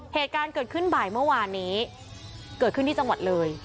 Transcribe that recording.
เหตุการณ์เกิดขึ้นบ่ายเมื่อวานนี้เกิดขึ้นที่จังหวัดเลย